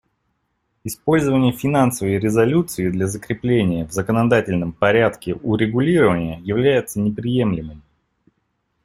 Использование финансовой резолюции для закрепления в законодательном порядке урегулирования является неприемлемым.